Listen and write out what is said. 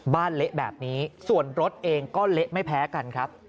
เละแบบนี้ส่วนรถเองก็เละไม่แพ้กันครับ